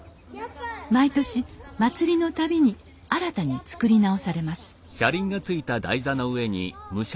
毎年祭りの度に新たに作り直されます